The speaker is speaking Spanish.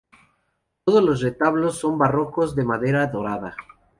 Todos los retablos son barrocos de madera dorada.